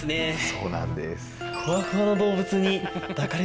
そうなんです。